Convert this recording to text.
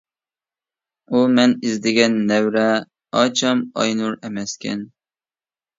ئۇ مەن ئىزدىگەن نەۋرە ئاچام ئاينۇر ئەمەسكەن.